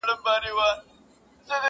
هغه هرڅه د دې زرکي برکت و,